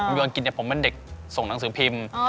อยู่อังกฤษผมเป็นเด็กส่งหนังสือพิมพ์